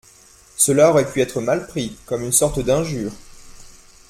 Cela aurait pu être mal pris, comme une sorte d’injure